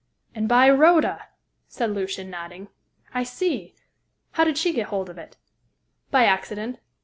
"And by Rhoda!" said Lucian, nodding. "I see! How did she get hold of it?" "By accident.